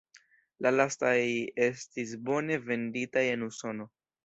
La lastaj estis bone venditaj en Usono.